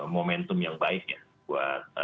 momentum yang baik ya buat